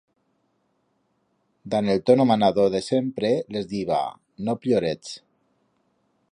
Dan el tono manador de sempre les diba: no pllorets.